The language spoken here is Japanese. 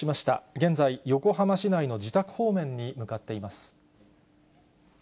現在、横浜市内の自宅方面に向かっています。